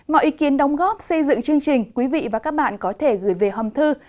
mọi ý kiến đóng góp xây dựng chương trình quý vị và các bạn có thể gửi về hòm thư